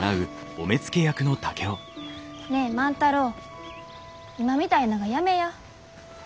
ねえ万太郎今みたいながやめや。